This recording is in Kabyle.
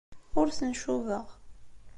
Ur ten-cubaɣ.